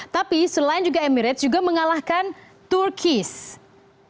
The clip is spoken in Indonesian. tapi selain juga emirates juga mengalahkan turkish